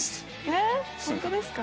えっホントですか？